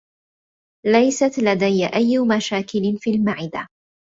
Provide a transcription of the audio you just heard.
ليست لديّ أيّ مشاكل في المعدة.